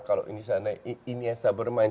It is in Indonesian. kalau ini sana iniesta bermain